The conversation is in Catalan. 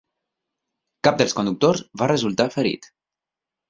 Cap dels conductors va resultar ferit.